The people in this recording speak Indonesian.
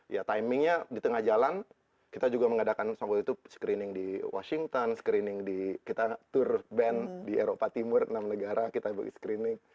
ya timingnya di tengah jalan kita juga mengadakan sampai itu screening di washington screening di kita tour band di eropa timur enam negara kita bagi screening